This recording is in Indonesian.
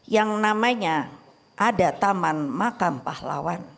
yang namanya ada taman makam pahlawan